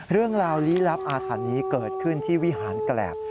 เรื่องราวลี้ลับอาถรรพ์นี้เกิดขึ้นที่วิหารแกรบ